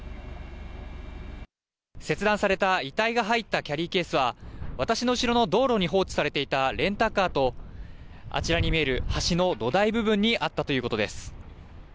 切断された遺体が入ったキャリーケースは、私の後ろの道路に放置されていたレンタカーと、あちらに見える橋の土台部分にあったということです。